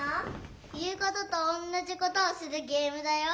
いうこととおんなじことをするゲームだよ。